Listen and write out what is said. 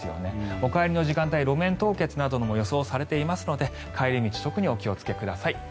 お帰りの時間帯、路面凍結なども予想されていますので帰り道特にお気をつけください。